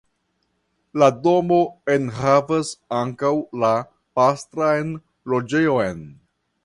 La domo enhavas ankaŭ la pastran loĝejon.